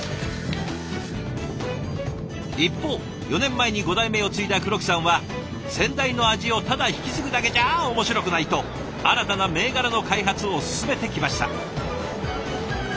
一方４年前に５代目を継いだ黒木さんは先代の味をただ引き継ぐだけじゃ面白くないと新たな銘柄の開発を進めてきました。